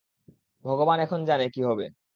ভগবান এখন যানে কি হবে।